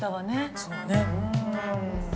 そうね。